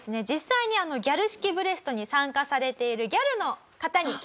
実際にギャル式ブレストに参加されている。